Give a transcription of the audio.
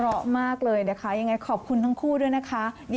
อย่าปล่อยให้มันให้รักเธอข้างดีแล้ว